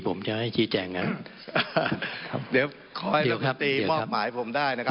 ผมจะให้ชี้แจงงั้นเดี๋ยวขอให้รัฐมนตรีมอบหมายผมได้นะครับ